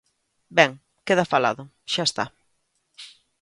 Ben, queda falado, xa está.